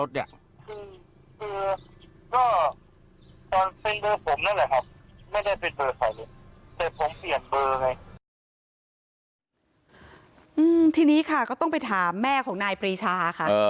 ทีนี้ค่ะก็ต้องไปถามแม่ของนายปรีชาค่ะ